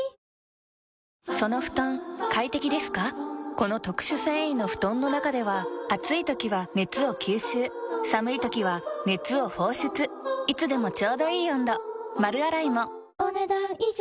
この特殊繊維の布団の中では暑い時は熱を吸収寒い時は熱を放出いつでもちょうどいい温度丸洗いもお、ねだん以上。